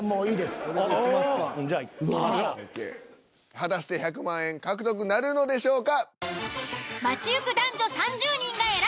果たして１００万円獲得なるのでしょうか。